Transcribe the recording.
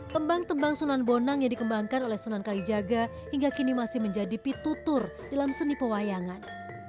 tembang tembang sunan bonang yang dikembangkan oleh sunan kalijaga hingga kini masih menjadi pitutur dalam seni pewayangan